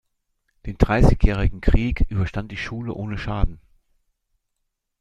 Den Dreißigjährigen Krieg überstand die Schule ohne Schaden.